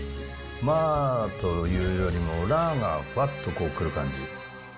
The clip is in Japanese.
マーというよりも、ラーがふわっと来る感じ。